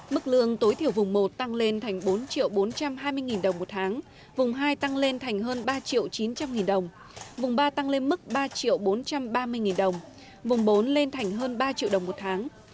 mức lương tối thiểu vùng một tăng lên thành bốn bốn trăm hai mươi đồng một tháng vùng hai tăng lên thành hơn ba triệu chín trăm linh nghìn đồng vùng ba tăng lên mức ba triệu bốn trăm ba mươi đồng vùng bốn lên thành hơn ba triệu đồng một tháng